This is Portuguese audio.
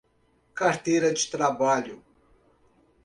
Carteira de trabalho